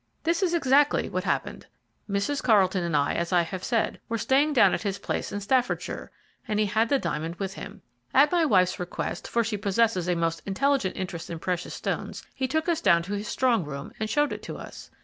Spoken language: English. This is exactly what happened. Mrs. Carlton and I, as I have said, were staying down at his place in Staffordshire, and he had the diamond with him. At my wife's request, for she possesses a most intelligent interest in precious stones, he took us down to his strong room, and showed it to us.